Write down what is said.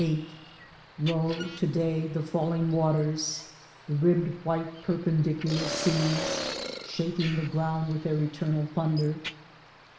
VIII Lo ! to day the falling waters — the ribbed white per pendicular seas — shaking the ground with their eternal thunder